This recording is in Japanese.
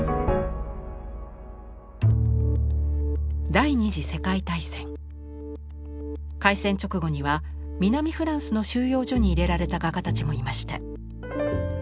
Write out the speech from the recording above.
第二次世界大戦開戦直後には南フランスの収容所に入れられた画家たちもいました。